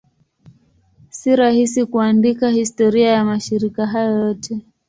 Si rahisi kuandika historia ya mashirika hayo yote.